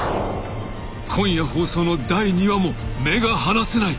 ［今夜放送の第２話も目が離せない！］